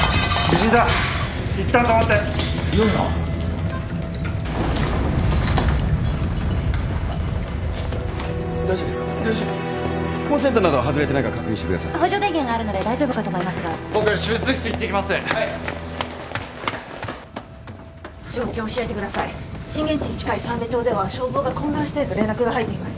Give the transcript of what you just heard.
震源地に近い山琶町では消防が混乱していると連絡が入っています。